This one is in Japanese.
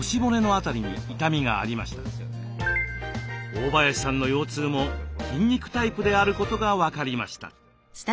大林さんの腰痛も筋肉タイプであることが分かりました。